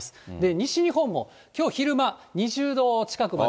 西日本もきょう昼間、２０度近くまで。